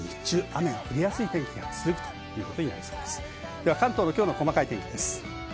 では関東のきょうの細かい天気です。